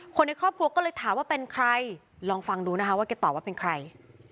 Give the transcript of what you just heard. คนในครอบครัวก็เลยถามว่าเป็นใครลองฟังดูนะคะว่าแกตอบว่าเป็นใคร